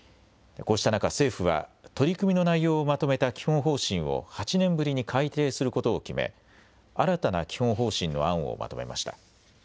こうした中、政府は取り組みの内容をまとめた基本方針を８年ぶりに改定することを決め新たな基本方針の案をまとめました。